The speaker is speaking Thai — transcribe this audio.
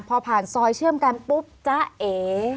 พอผ่านซอยเชื่อมกันปุ๊บจ๊ะเอ